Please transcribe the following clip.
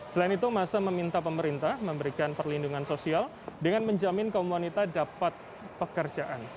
selain itu masa meminta pemerintah memberikan perlindungan sosial dengan menjamin kaum wanita dapat pekerjaan